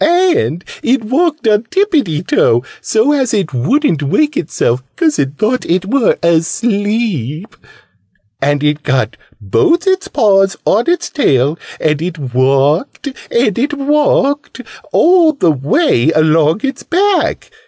And it walked on tippiety toe, so as it wouldn't wake itself, 'cause it thought it were asleep. And it got both its paws on its tail. And it walked and it walked all the way along its back.